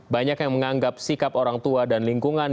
banyak yang menganggap sikap orang tua dan lingkungan